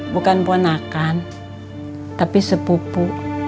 bukan ponakan tapi sepupu